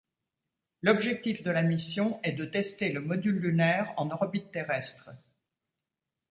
L'objectif de la mission est de tester le module lunaire en orbite terrestre.